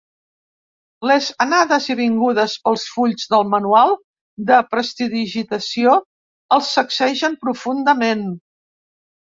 Les anades i vingudes pels fulls del manual de prestidigitació el sacsegen profundament.